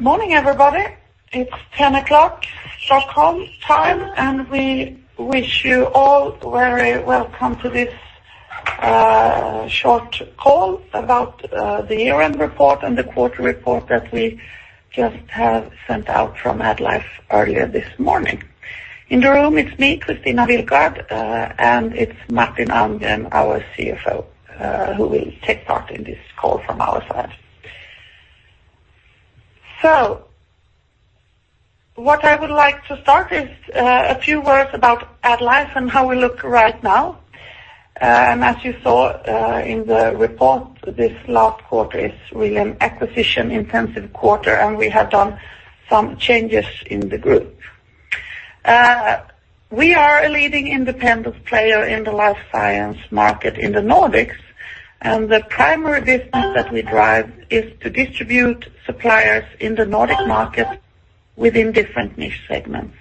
Good morning, everybody. It's 10:00 A.M. Stockholm time, and we wish you all very welcome to this short call about the year-end report and the quarter report that we just have sent out from AddLife earlier this morning. In the room, it's me, Kristina Willgård, and it's Martin Almgren, our CFO, who will take part in this call from our side. What I would like to start is a few words about AddLife and how we look right now. As you saw in the report, this last quarter is really an acquisition-intensive quarter, and we have done some changes in the group. We are a leading independent player in the Life Science market in the Nordics, and the primary business that we drive is to distribute suppliers in the Nordic market within different niche segments.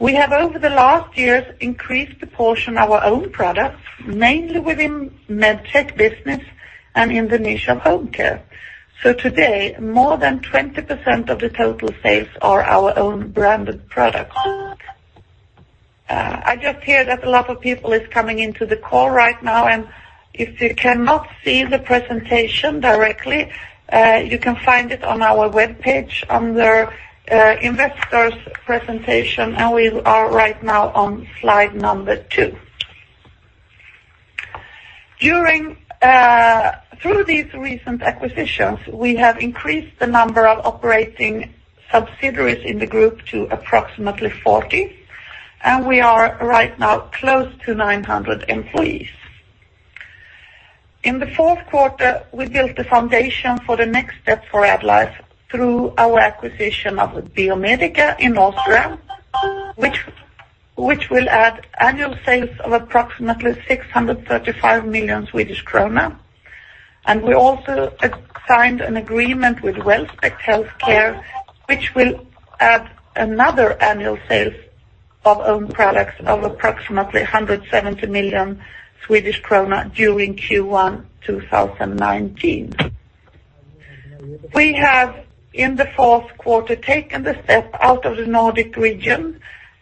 We have, over the last years, increased the portion our own products, mainly within Medtech business and in the niche of home care. Today, more than 20% of the total sales are our own branded products. I just hear that a lot of people is coming into the call right now, and if you cannot see the presentation directly, you can find it on our webpage under Investors Presentation, and we are right now on slide number two. Through these recent acquisitions, we have increased the number of operating subsidiaries in the group to approximately 40, and we are right now close to 900 employees. In the fourth quarter, we built the foundation for the next step for AddLife through our acquisition of Biomedica in Austria, which will add annual sales of approximately 635 million Swedish krona. We also signed an agreement with Wellspect HealthCare, which will add another annual sales of own products of approximately 170 million Swedish krona during Q1 2019. We have, in the fourth quarter, taken the step out of the Nordic region,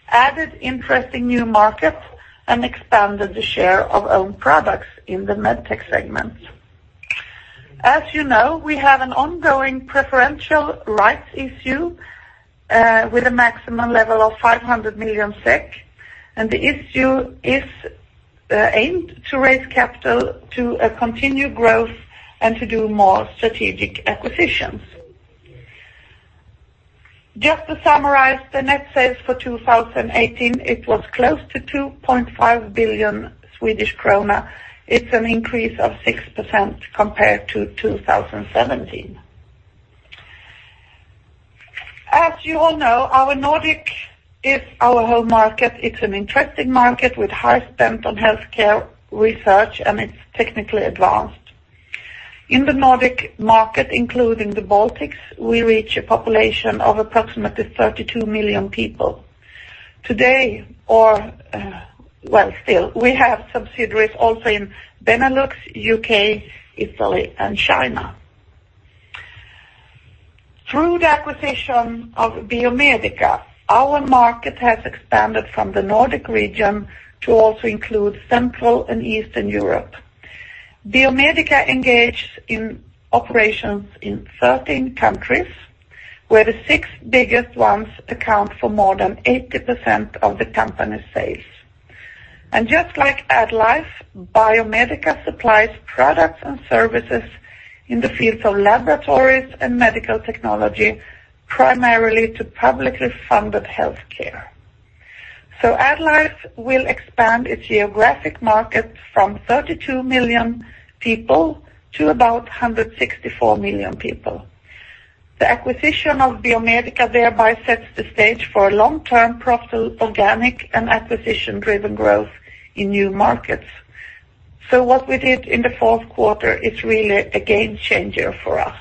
added interesting new markets, and expanded the share of own products in the Medtech segment. As you know, we have an ongoing preferential rights issue, with a maximum level of 500 million SEK, and the issue is aimed to raise capital to a continued growth and to do more strategic acquisitions. Just to summarize the net sales for 2018, it was close to 2.5 billion Swedish krona. It's an increase of 6% compared to 2017. As you all know, our Nordic is our home market. It's an interesting market with high spend on healthcare research, and it's technically advanced. In the Nordic market, including the Baltics, we reach a population of approximately 32 million people. Today, or well, still, we have subsidiaries also in Benelux, U.K., Italy, and China. Through the acquisition of Biomedica, our market has expanded from the Nordic region to also include Central and Eastern Europe. Biomedica engages in operations in 13 countries, where the six biggest ones account for more than 80% of the company's sales. Just like AddLife, Biomedica supplies products and services in the fields of laboratories and medical technology, primarily to publicly funded healthcare. AddLife will expand its geographic market from 32 million people to about 164 million people. The acquisition of Biomedica thereby sets the stage for a long-term profitable organic and acquisition-driven growth in new markets. What we did in the fourth quarter is really a game changer for us.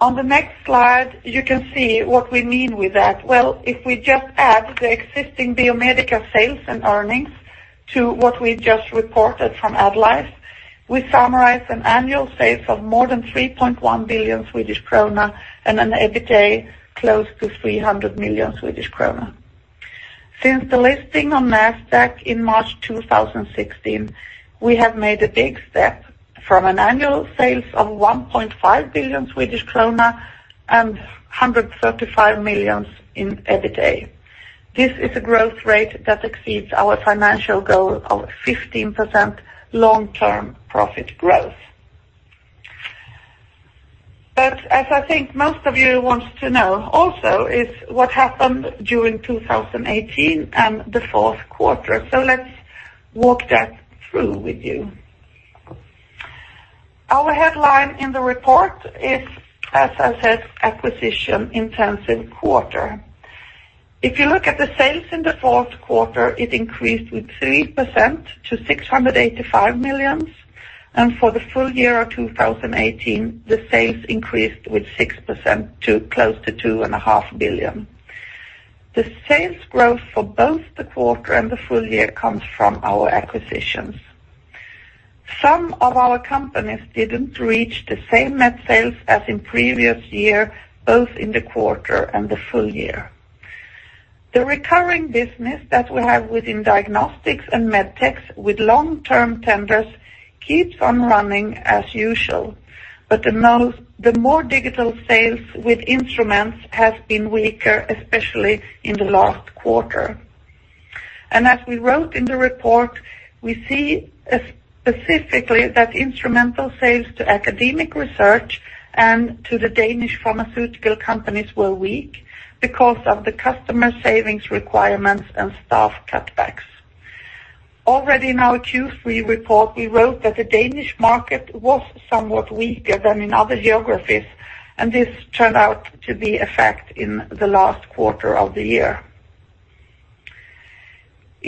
On the next slide, you can see what we mean with that. If we just add the existing Biomedica sales and earnings to what we just reported from AddLife, we summarize an annual sales of more than 3.1 billion Swedish krona and an EBITA close to 300 million Swedish krona. Since the listing on Nasdaq in March 2016, we have made a big step from an annual sales of 1.5 billion Swedish krona and 135 million in EBITA. This is a growth rate that exceeds our financial goal of 15% long-term profit growth. As I think most of you want to know also is what happened during 2018 and the fourth quarter. Let's walk that through with you. Our headline in the report is, as I said, acquisition-intensive quarter. If you look at the sales in the fourth quarter, it increased with 3% to 685 million, and for the full year of 2018, the sales increased with 6% to close to two and a half billion. The sales growth for both the quarter and the full year comes from our acquisitions. Some of our companies didn't reach the same net sales as in previous year, both in the quarter and the full year. The recurring business that we have within diagnostics and Medtech with long-term tenders keeps on running as usual. The more digital sales with instruments have been weaker, especially in the last quarter. As we wrote in the report, we see specifically that instrumental sales to academic research and to the Danish pharmaceutical companies were weak because of the customer savings requirements and staff cutbacks. Already in our Q3 report, we wrote that the Danish market was somewhat weaker than in other geographies. This turned out to be a fact in the last quarter of the year.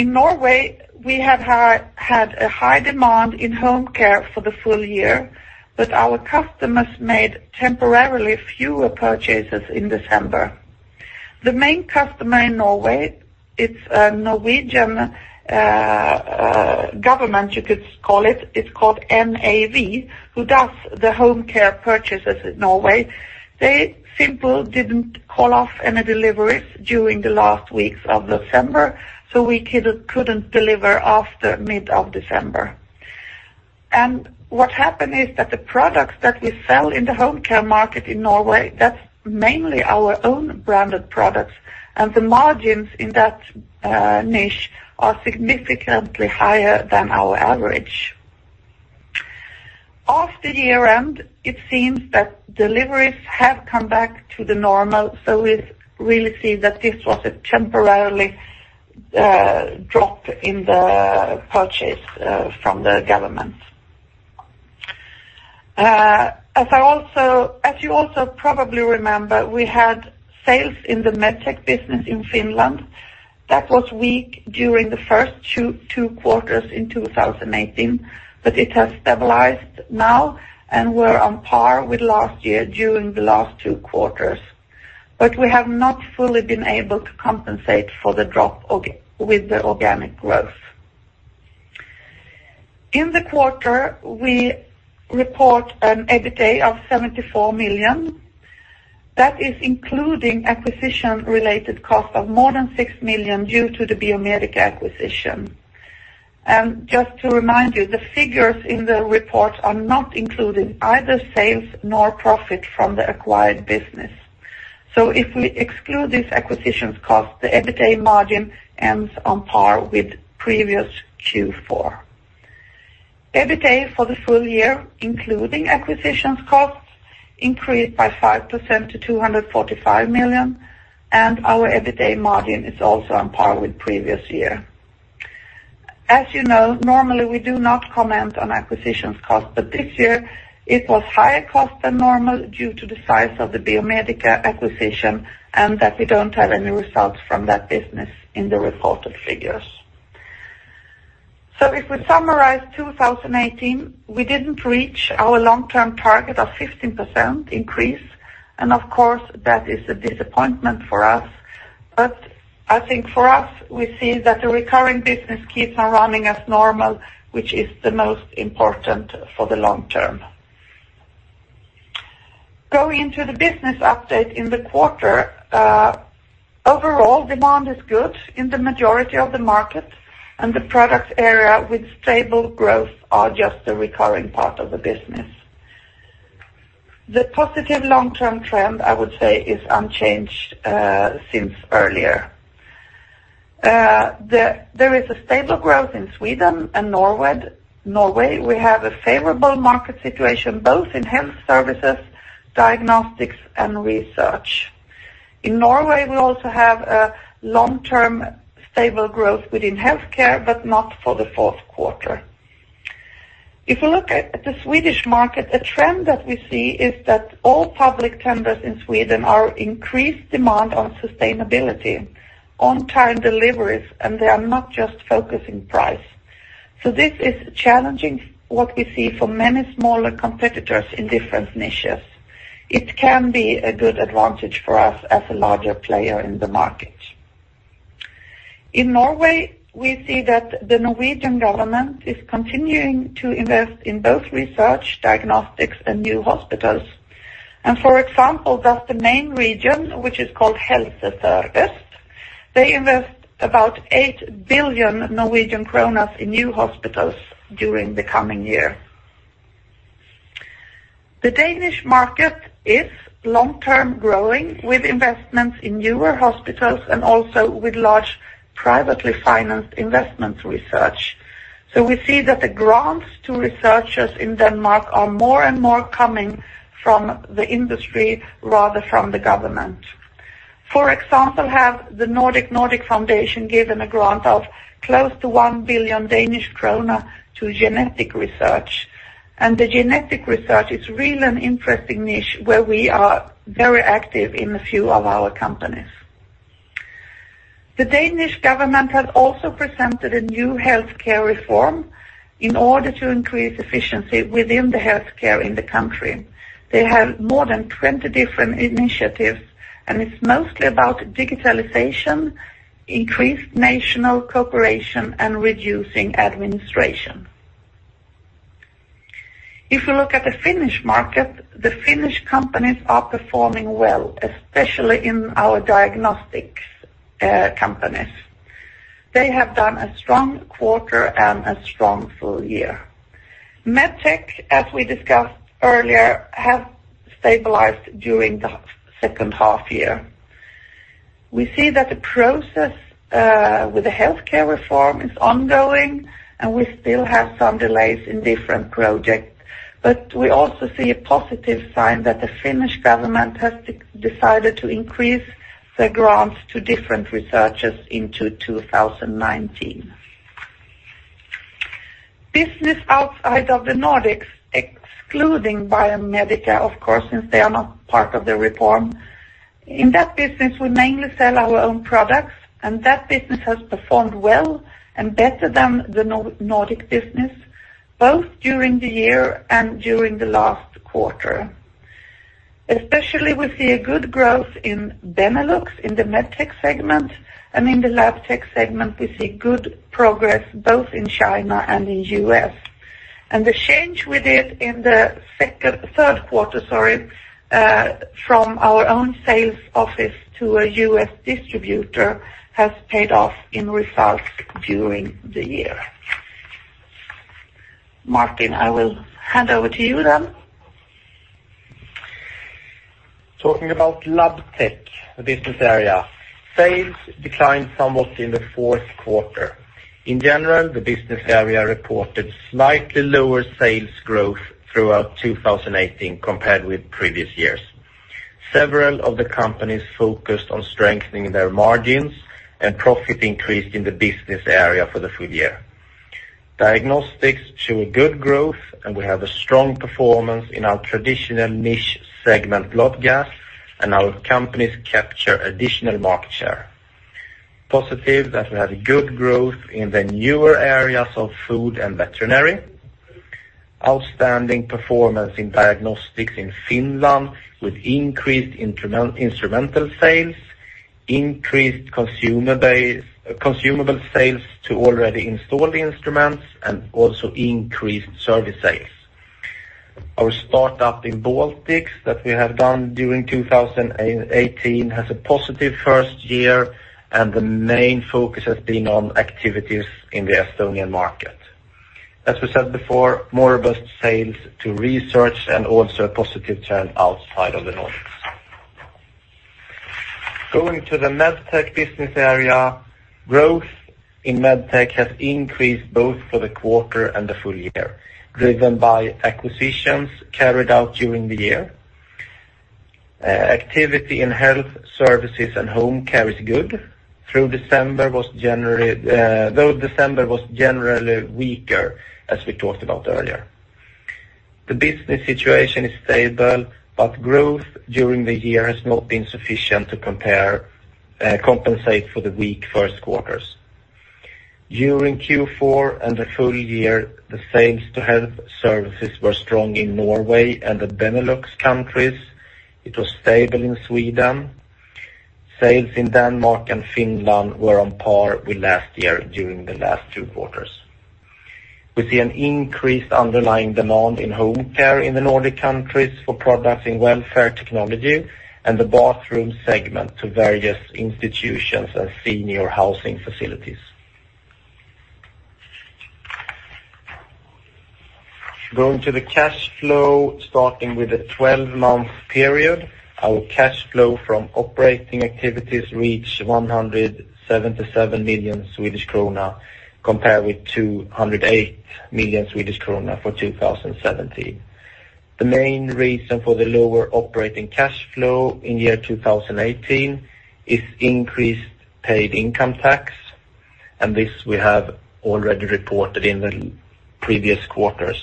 In Norway, we have had a high demand in home care for the full year, our customers made temporarily fewer purchases in December. The main customer in Norway, it's a Norwegian government, you could call it. It's called NAV, who does the home care purchases in Norway. They simply didn't call off any deliveries during the last weeks of December, so we couldn't deliver after mid of December. What happened is that the products that we sell in the home care market in Norway, that's mainly our own branded products, and the margins in that niche are significantly higher than our average. After year-end, it seems that deliveries have come back to the normal. We've really seen that this was a temporarily drop in the purchase from the government. As you also probably remember, we had sales in the Medtech business in Finland. That was weak during the first two quarters in 2018, it has stabilized now, and we're on par with last year during the last two quarters. We have not fully been able to compensate for the drop with the organic growth. In the quarter, we report an EBITA of 74 million. That is including acquisition-related cost of more than 6 million due to the Biomedica acquisition. Just to remind you, the figures in the report are not including either sales nor profit from the acquired business. If we exclude these acquisitions costs, the EBITA margin ends on par with previous Q4. EBITA for the full year, including acquisitions costs, increased by 5% to 245 million, and our EBITA margin is also on par with previous year. As you know, normally we do not comment on acquisitions cost, but this year it was higher cost than normal due to the size of the Biomedica acquisition and that we don't have any results from that business in the reported figures. If we summarize 2018, we didn't reach our long-term target of 15% increase, and of course, that is a disappointment for us. I think for us, we see that the recurring business keeps on running as normal, which is the most important for the long term. Going into the business update in the quarter, overall demand is good in the majority of the markets, and the product area with stable growth are just a recurring part of the business. The positive long-term trend, I would say, is unchanged since earlier. There is a stable growth in Sweden and Norway. We have a favorable market situation both in health services, diagnostics, and research. In Norway, we also have a long-term stable growth within healthcare, but not for the fourth quarter. If you look at the Swedish market, the trend that we see is that all public tenders in Sweden are increased demand on sustainability, on-time deliveries, and they are not just focusing price. This is challenging what we see for many smaller competitors in different niches. It can be a good advantage for us as a larger player in the market. In Norway, we see that the Norwegian government is continuing to invest in both research, diagnostics, and new hospitals. For example, that the main region, which is called Helse Sør-Øst, they invest about 8 billion Norwegian kroner in new hospitals during the coming year. The Danish market is long-term growing with investments in newer hospitals and also with large privately financed investment research. We see that the grants to researchers in Denmark are more and more coming from the industry rather from the government. For example, have the Novo Nordisk Foundation given a grant of close to 1 billion Danish kroner to genetic research, and the genetic research is really an interesting niche where we are very active in a few of our companies. The Danish government has also presented a new healthcare reform. In order to increase efficiency within the healthcare in the country, they have more than 20 different initiatives, and it's mostly about digitalization, increased national cooperation, and reducing administration. If you look at the Finnish market, the Finnish companies are performing well, especially in our diagnostics companies. They have done a strong quarter and a strong full year. Medtech, as we discussed earlier, has stabilized during the second half year. We see that the process with the healthcare reform is ongoing and we still have some delays in different projects, but we also see a positive sign that the Finnish government has decided to increase their grants to different researchers into 2019. Business outside of the Nordics, excluding Biomedica, of course, since they are not part of the reform. In that business, we mainly sell our own products, and that business has performed well and better than the Nordic business, both during the year and during the last quarter. Especially, we see a good growth in Benelux in the Medtech segment, and in the Labtech segment, we see good progress both in China and in the U.S. The change we did in the third quarter from our own sales office to a U.S. distributor has paid off in results during the year. Martin, I will hand over to you then. Talking about Labtech, the business area. Sales declined somewhat in the fourth quarter. In general, the business area reported slightly lower sales growth throughout 2018 compared with previous years. Several of the companies focused on strengthening their margins and profit increased in the business area for the full year. Diagnostics show a good growth, and we have a strong performance in our traditional niche segment, blood gas, and our companies capture additional market share. Positive that we had a good growth in the newer areas of food and veterinary. Outstanding performance in diagnostics in Finland with increased instrumental sales, increased consumable sales to already installed instruments, and also increased service sales. Our startup in Baltics that we have done during 2018 has a positive first year, and the main focus has been on activities in the Estonian market. As we said before, more of our sales to research and also a positive trend outside of the Nordics. Going to the Medtech business area, growth in Medtech has increased both for the quarter and the full year, driven by acquisitions carried out during the year. Activity in health services and home care is good. December was generally weaker as we talked about earlier. The business situation is stable. Growth during the year has not been sufficient to compensate for the weak first quarters. During Q4 and the full year, the sales to health services were strong in Norway and the Benelux countries. It was stable in Sweden. Sales in Denmark and Finland were on par with last year during the last two quarters. We see an increased underlying demand in home care in the Nordic countries for products in welfare technology and the bathroom segment to various institutions and senior housing facilities. Going to the cash flow, starting with the 12-month period, our cash flow from operating activities reached 177 million Swedish krona compared with 208 million Swedish krona for 2017. The main reason for the lower operating cash flow in year 2018 is increased paid income tax, and this we have already reported in the previous quarters.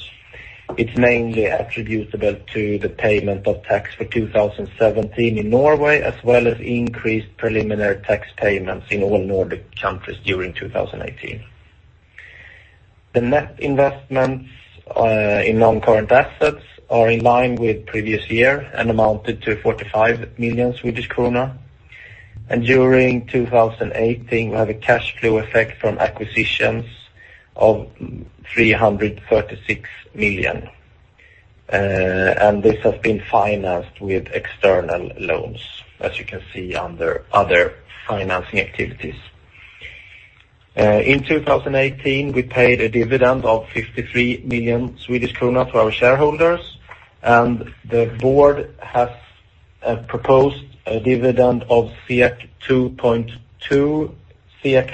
It's mainly attributable to the payment of tax for 2017 in Norway, as well as increased preliminary tax payments in all Nordic countries during 2018. The net investments in non-current assets are in line with previous year and amounted to 45 million Swedish kronor. During 2018, we have a cash flow effect from acquisitions of 336 million. This has been financed with external loans, as you can see under other financing activities. In 2018, we paid a dividend of 53 million Swedish kronor to our shareholders, the board has proposed a dividend of 2.2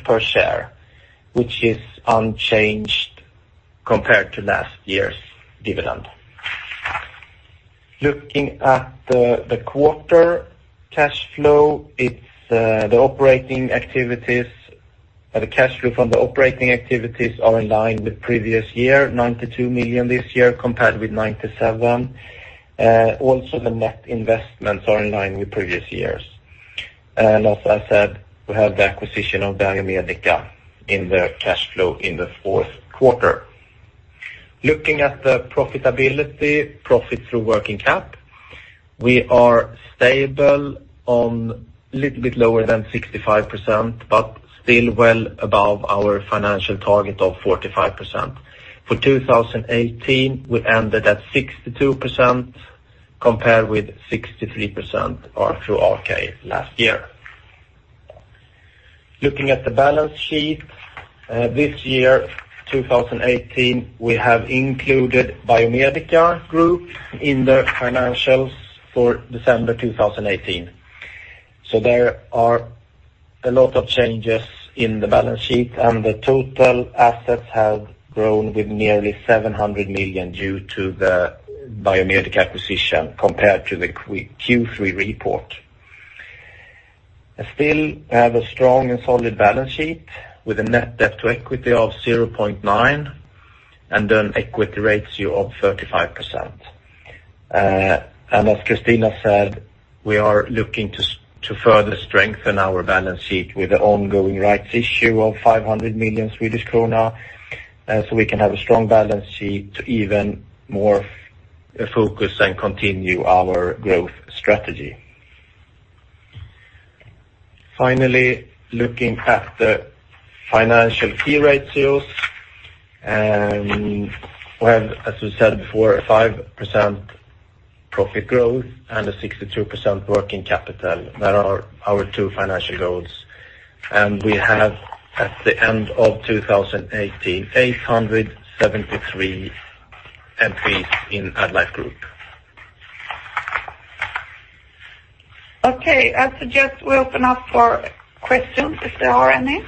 per share, which is unchanged compared to last year's dividend. Looking at the quarter cash flow, the cash flow from the operating activities are in line with previous year, 92 million this year compared with 97 million. Also, the net investments are in line with previous years. As I said, we have the acquisition of Biomedica in the cash flow in the fourth quarter. Looking at the profitability, profit through working cap, we are stable on a little bit lower than 65%, but still well above our financial target of 45%. For 2018, we ended at 62% compared with 63% through RK last year. Looking at the balance sheet, this year, 2018, we have included Biomedica Group in the financials for December 2018. There are a lot of changes in the balance sheet, the total assets have grown with nearly 700 million due to the Biomedica acquisition compared to the Q3 report. We still have a strong and solid balance sheet with a net debt to equity of 0.9 and an equity ratio of 35%. As Kristina said, we are looking to further strengthen our balance sheet with the ongoing rights issue of 500 million Swedish krona, so we can have a strong balance sheet to even more focus and continue our growth strategy. Finally, looking at the financial key ratios, we have, as we said before, 5% profit growth and a 62% working capital. They are our two financial goals. We have, at the end of 2018, 873 employees in AddLife Group. Okay. I suggest we open up for questions if there are any.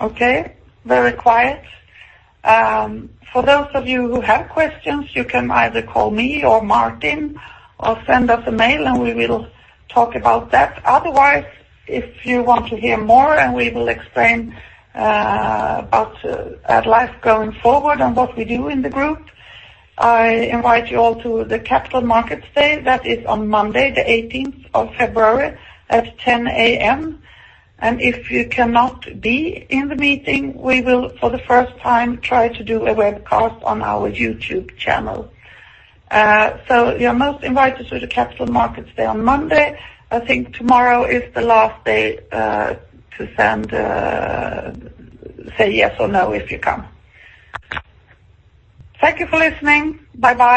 Okay. Very quiet. For those of you who have questions, you can either call me or Martin or send us an email and we will talk about that. Otherwise, if you want to hear more, and we will explain about AddLife going forward and what we do in the group, I invite you all to the Capital Markets Day. That is on Monday, February 18th at 10:00 A.M. If you cannot be in the meeting, we will, for the first time, try to do a webcast on our YouTube channel. You're most invited to the Capital Markets Day on Monday. I think tomorrow is the last day to say yes or no if you come. Thank you for listening. Bye-bye.